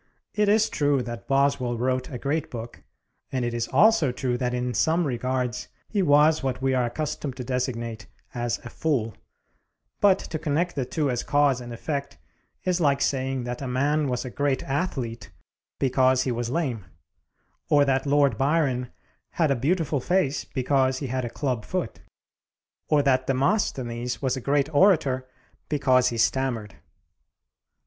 It is true that Boswell wrote a great book, and it is also true that in some regards he was what we are accustomed to designate as a fool; but to connect the two as cause and effect is like saying that a man was a great athlete because he was lame, or that Lord Byron had a beautiful face because he had a club foot, or that Demosthenes was a great orator because he stammered.